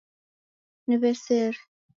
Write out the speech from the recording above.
Niwesere